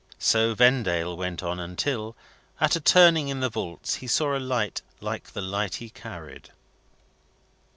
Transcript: So Vendale went on until, at a turning in the vaults, he saw a light like the light he carried.